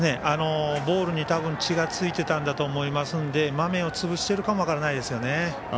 ボールに血がついていたんだと思いますのでまめを潰しているかも分からないですね。